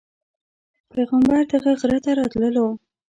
پیغمبر دغه غره ته راتللو.